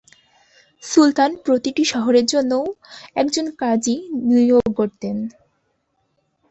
সুলতান প্রতিটি শহরের জন্যও একজন কাজী নিয়োগ করতেন।